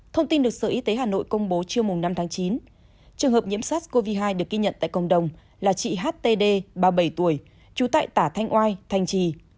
thông tin được sở y tế hà nội công bố chiều năm chín trường hợp nhiễm sars cov hai được ký nhận tại cộng đồng là chị htd ba mươi bảy tuổi chú tại tả thanh oai thành trì